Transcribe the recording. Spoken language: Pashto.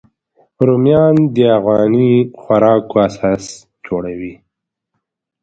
رومیان د افغاني خوراکو اساس جوړوي